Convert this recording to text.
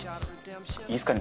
いいですかね？